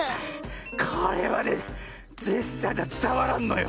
これはねジェスチャーじゃつたわらんのよ。